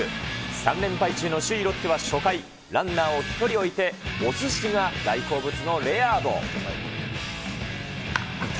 ３連敗中の首位ロッテは初回、ランナーを１人置いておすしが大好物のレアード。